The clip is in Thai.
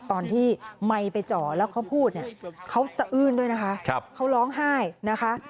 ตอนที่ไมค์ไปจ่อแล้วเขาพูดเนี่ยเขาสะอื้นด้วยนะคะเขาร้องไห้นะคะ